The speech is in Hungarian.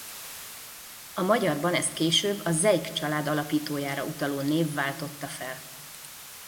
A magyarban ezt később a Zeyk család alapítójára utaló név váltotta fel.